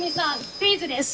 クイズです！